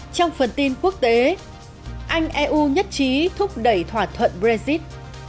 trong phần tin quốc tế anh eu nhất trí thúc đẩy thỏa thuận brexit